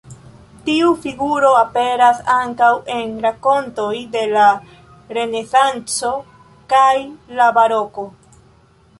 Tiu figuro aperas ankaŭ en rakontoj de la Renesanco kaj la Baroko.